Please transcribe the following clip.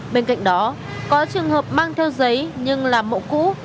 bên cạnh đó có trường hợp mang theo giấy nhưng làm mẫu cũ